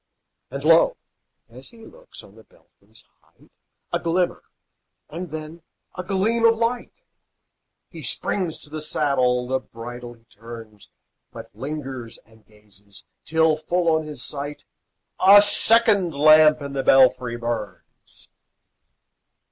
And lo! as he looks, on the belfry's height A glimmer, and then a gleam of light! He springs to the saddle, the bridle he turns, But lingers and gazes, till full on his sight A second lamp in the belfry burns!